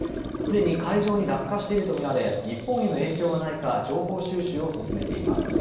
すでに海上に落下していると見られ、日本への影響がないか情報収集を進めています。